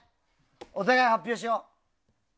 お互い、発表しよう。